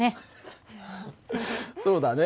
そうだね。